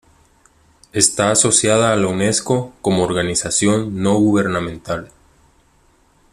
Está asociada a la Unesco como organización no gubernamental.